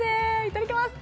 いただきます。